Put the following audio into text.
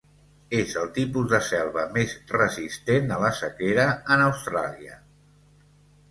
És el tipus de selva més resistent a la sequera en Austràlia.